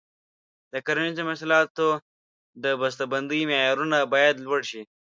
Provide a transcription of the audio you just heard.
د کرنیزو محصولاتو د بسته بندۍ معیارونه باید لوړ شي.